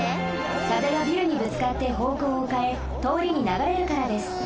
風がビルにぶつかってほうこうをかえとおりにながれるからです。